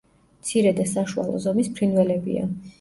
მცირე და საშუალო ზომის ფრინველებია.